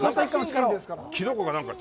キノコか何か？